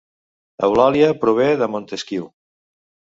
Eulàlia prové de Montesquiu